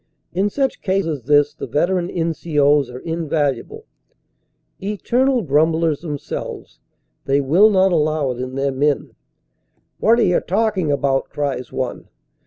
In such case as this the veteran N.C.O s are invaluable. 190 CANADA S HUNDRED DAYS Eternal grumblers themselves, they will not allow it in their men. "What re you talking about?" cries one.